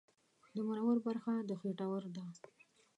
د مرور برخه د خېټور ده